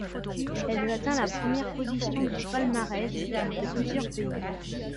Elle atteint la première position du palmarès de plusieurs pays.